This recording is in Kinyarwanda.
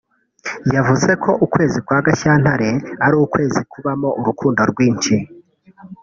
yavuze ko ukwezi kwa Gashyantare ari ukwezi kubamo urukundo rwinshi